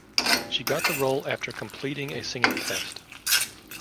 She got the role after completing a singing test.